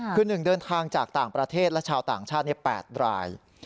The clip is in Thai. คือ๑เดินทางจากต่างประเทศและชาวต่างชาติ๘ราย